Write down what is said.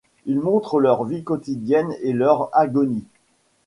Ils montrent leur vie quotidienne et leur agonie.